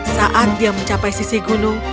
saat dia mencapai sisi gunung